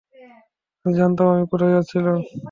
আমি জানতাম আমি কোথায় যাচ্ছিলাম।